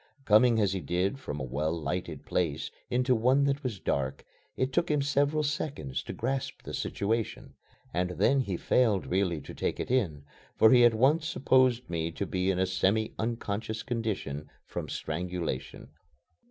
Coming as he did from a well lighted room into one that was dark, it took him several seconds to grasp the situation and then he failed really to take it in, for he at once supposed me to be in a semi unconscious condition from strangulation.